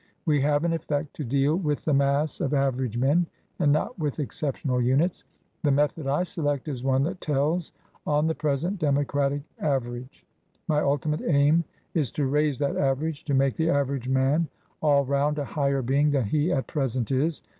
We have, in effect, to deal with the mass of average TRANSITION. 249 men, and not with exceptional units. The method I select is one that tells on the present Democratic average. My ultimate aim is to raise that average — to make the average man all round a higher being than he at present is.